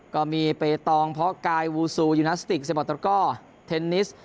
ก็มีเปตองเพาะกายวูซูยูนาสติกสบอตระก้อเทนนิส